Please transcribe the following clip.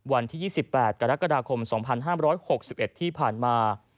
วันที่๒๘กรกฎาคม๒๕๖๑ที่ผ่านมา